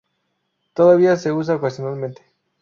Todavía se usa ocasionalmente.